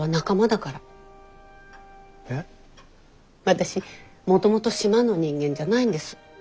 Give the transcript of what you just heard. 私もともと島の人間じゃないんです。